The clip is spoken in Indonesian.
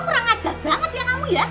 murah ngajar banget ya kamu ya